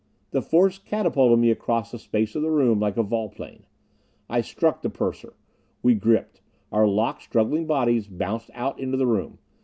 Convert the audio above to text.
The force catapulted me across the space of the room like a volplane. I struck the purser. We gripped. Our locked, struggling bodies bounced out into the room.